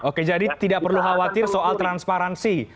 oke jadi tidak perlu khawatir soal transparansi